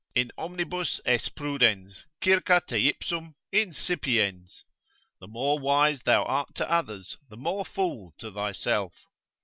in omnibus es prudens, circa teipsum insipiens: the more wise thou art to others, the more fool to thyself.